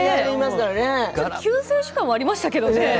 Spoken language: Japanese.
救世主感はありましたけどね。